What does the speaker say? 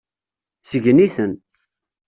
Sgen-iten.